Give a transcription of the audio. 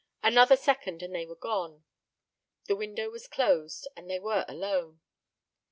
Another second and they were gone, the window was closed, and they were alone.